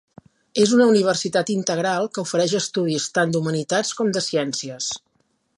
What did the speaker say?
És una universitat integral que ofereix estudis tant d'Humanitats com de Ciències.